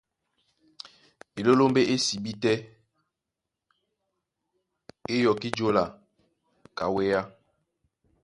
Elélómbé é sibí tɛ́ é yɔkí jǒla ka wéá.